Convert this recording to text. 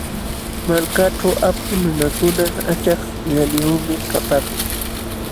Malkaaćhu apu nunakuna achak qillaniyuqmi kapaakun.